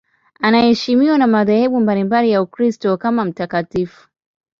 Anaheshimiwa na madhehebu mbalimbali ya Ukristo kama mtakatifu.